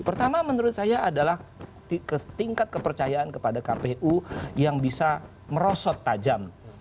pertama menurut saya adalah tingkat kepercayaan kepada kpu yang bisa merosot tajam